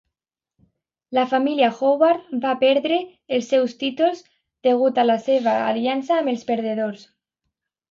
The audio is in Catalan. La família Howard va perdre els seus títols degut a la seva aliança amb els perdedors.